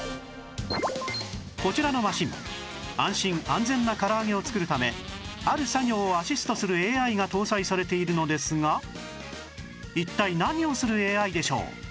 こちらのマシン安心・安全なから揚げを作るためある作業をアシストする ＡＩ が搭載されているのですが一体何をする ＡＩ でしょう？